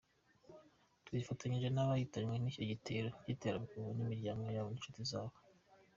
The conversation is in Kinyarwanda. "Twifatanyije n'abahitanywe n'icyo gitero cy'iterabwoba, imiryango yabo n'inshuti zabo".